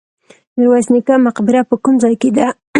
میرویس نیکه مقبره په کوم ځای کې ده؟